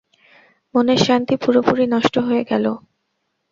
মনের শান্তি পুরোপুরি নষ্ট হয়ে গেল।